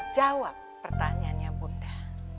jawab pertanyaannya bunda